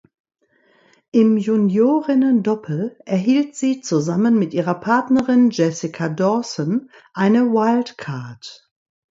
Im Juniorinnendoppel erhielt sie zusammen mit ihrer Partnerin Jessica Dawson eine Wildcard.